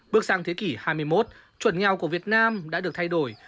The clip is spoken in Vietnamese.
bước sang thế kỷ hai mươi một chuẩn nghèo của việt nam đã được thay đổi